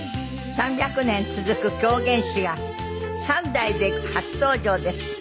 ３００年続く狂言師が三代で初登場です。